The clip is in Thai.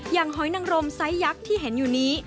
หอยนังรมไซสยักษ์ที่เห็นอยู่นี้